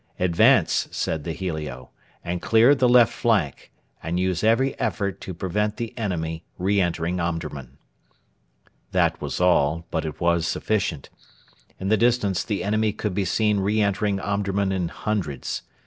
'Advance,' said the helio, 'and clear the left flank, and use every effort to prevent the enemy re entering Omdurman.' That was all, but it was sufficient. In the distance the enemy could be seen re entering Omdurman in hundreds.